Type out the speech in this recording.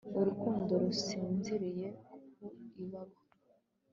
Urukundo rusinziriye ku ibaba